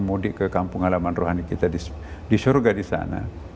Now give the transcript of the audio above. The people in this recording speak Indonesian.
mudik ke kampung halaman rohani kita di surga di sana